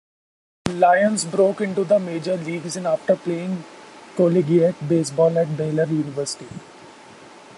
Lyons broke into the major leagues in after playing collegiate baseball at Baylor University.